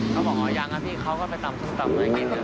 เค้าบอกว่ายังอะพี่เค้าก็ไปตำซึ้งตำไว้กิน